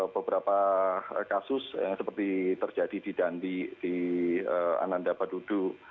beberapa kasus yang seperti terjadi di dandi di ananda badudu